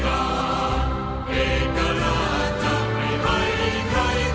สัญลักษณ์เหนืออยากเป็นชาติภูมิ